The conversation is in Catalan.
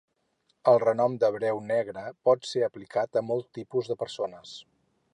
El renom d'hebreu negre pot ser aplicat a molts tipus de persones.